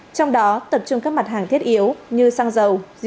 trong đó tập trung các mặt hàng thiết yếu như xăng dầu rượu biển